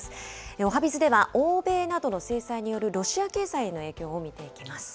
おはＢｉｚでは欧米などの制裁によるロシア経済への影響を見ていきます。